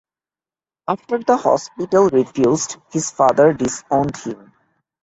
After the hospital refused, his father disowned him.